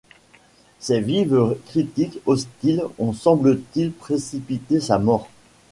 Ses vives critiques hostiles ont semble-t-il précipité sa mort.